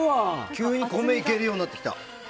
急に米いけるようになってきた。